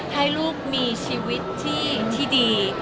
ให้ลูกมีชีวิตที่ดี